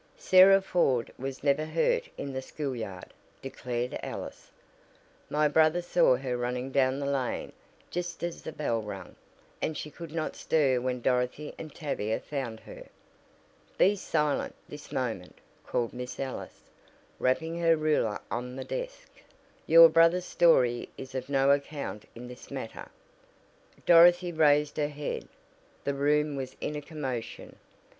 "Sarah Ford was never hurt in the school yard," declared Alice. "My brother saw her running down the lane just as the bell rang, and she could not stir when Dorothy and Tavia found her." "Be silent this moment!" called Miss Ellis, rapping her ruler on the desk. "Your brother's story is of no account in this matter." Dorothy raised her head. The room was in a commotion.